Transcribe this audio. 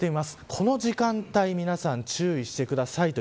この時間帯皆さん注意してください。